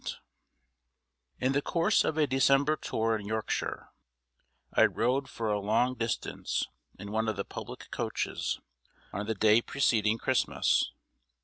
In the course of a December tour in Yorkshire, I rode for a long distance in one of the public coaches, on the day preceding Christmas.